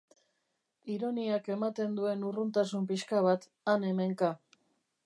Ironiak ematen duen urruntasun pixka bat, han-hemenka.